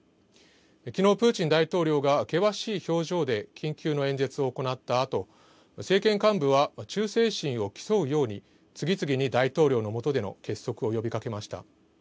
きのうプーチン大統領が険しい表情で緊急の演説を行ったあと政権幹部は忠誠心を競うように次々に大統領のもとでの結束を呼びかけました。